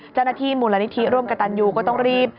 เจ้าหน้าที่มูลนิธิร่วมกับตันยูก็ต้องรีบ